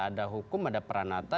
ada hukum ada peranata